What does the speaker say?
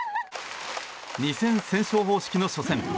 ２戦先勝方式の初戦。